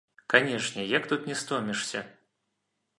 Канешне, як тут не стомішся!